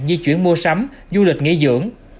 di chuyển mua sắm du lịch nghỉ dưỡng